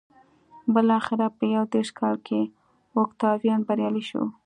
بلاخره په یو دېرش کال کې اوکتاویان بریالی شو